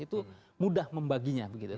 itu mudah membaginya begitu